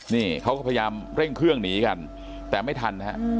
นี่เขาก็พยายามเร่งเครื่องหนีกันแต่ไม่ทันนะฮะ